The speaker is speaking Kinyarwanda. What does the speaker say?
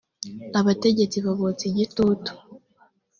abategetsi babotsa igitutu